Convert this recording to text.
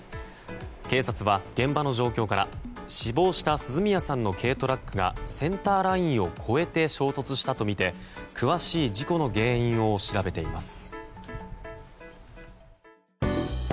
警察は、現場の状況から死亡した鈴宮さんの軽トラックがセンターラインを越えて衝突したとみて詳しい事故の原因を調べています。